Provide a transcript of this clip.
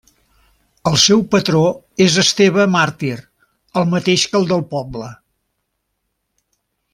El seu patró és Esteve màrtir, el mateix que el del poble.